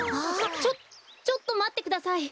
ちょちょっとまってください。